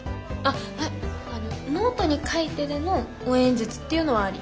ノートに書いてでの応援演説っていうのはあり？